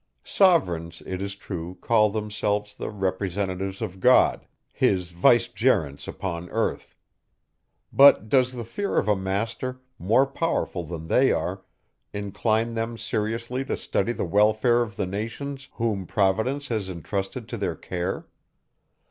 Sovereigns, it is true, call themselves the representatives of God, his vicegerents upon earth. But does the fear of a master, more powerful than they are, incline them seriously to study the welfare of the nations, whom Providence has intrusted to their care?